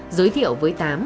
giới thiệu với tám